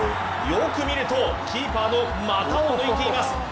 よく見ると、キーパーの股を抜いています。